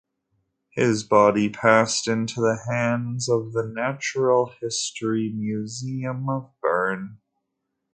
His body passed into the hands of the Natural History Museum of Bern.